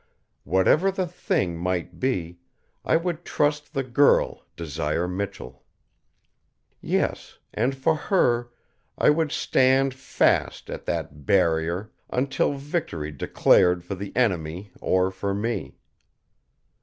Whatever the Thing might be, I would trust the girl Desire Michell. Yes, and for her I would stand fast at that Barrier until victory declared for the enemy or for me.